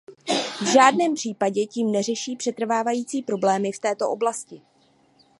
V žádném případě tím neřeší přetrvávající problémy v této oblasti.